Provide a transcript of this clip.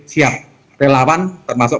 siap relawan termasuk